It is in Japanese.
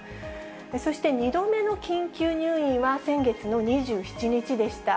そして、２度目の緊急入院は、先月の２７日でした。